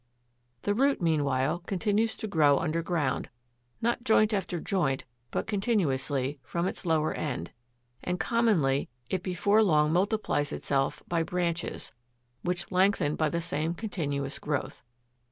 The root, meanwhile, continues to grow underground, not joint after joint, but continuously, from its lower end; and commonly it before long multiplies itself by branches, which lengthen by the same continuous growth.